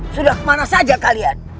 sudah kemana saja kalian